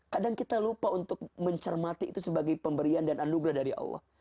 kadang kita lupa untuk mencermati itu sebagai pemberian dan anugerah dari allah